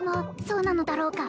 そうなのだろうか？